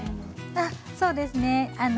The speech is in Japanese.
そうですね